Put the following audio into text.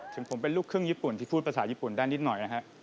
ถึงผมเป็นลูกครึ่งญี่ปุ่นที่พูดภาษาญี่ปุ่นได้นิดหน่อยนะฮะ